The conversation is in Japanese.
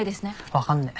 わかんねえ。